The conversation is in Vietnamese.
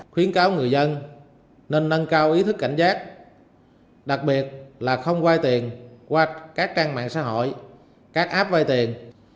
khuyến cáo người dân nên nâng cao ý thức cảnh giác đặc biệt là không quay tiền qua các trang mạng xã hội các app vay tiền